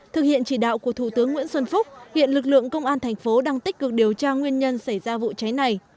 thực hiện chỉ đạo của thủ tướng nguyễn xuân phúc hiện lực lượng công an thành phố đang tích cực điều tra nguyên nhân xảy ra vụ cháy này